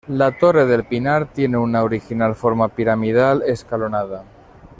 La torre del Pinar tiene una original forma piramidal escalonada.